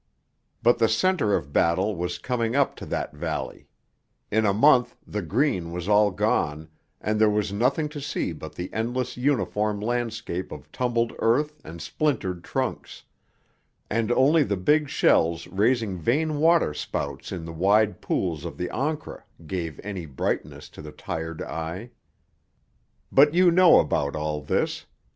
But the centre of battle was coming up to that valley; in a month the green was all gone, and there was nothing to see but the endless uniform landscape of tumbled earth and splintered trunks, and only the big shells raising vain waterspouts in the wide pools of the Ancre gave any brightness to the tired eye. But you know about all this.